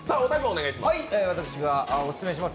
私がオススメします